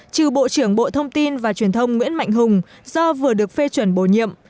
trừ bộ trưởng bộ thông tin và truyền thông nguyễn mạnh hùng do vừa được phê chuẩn bổ nhiệm